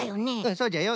そうじゃよ。